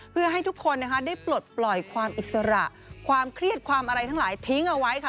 เพื่อให้ทุกคนนะคะได้ปลดปล่อยความอิสระความเครียดความอะไรทั้งหลายทิ้งเอาไว้ค่ะ